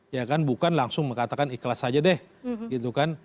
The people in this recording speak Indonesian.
ya kan bukan langsung mengatakan ikhlas saja deh gitu kan